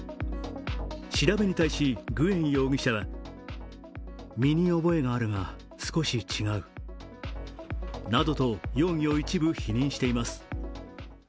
調べに対しグエン容疑者はなどと容疑を一部否認しています。